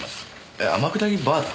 えっ天下りバーター？